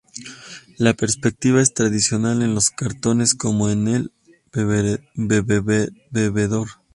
La perspectiva es tradicional en los cartones, como en "El bebedor".